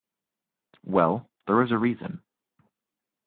Well, there is a reason.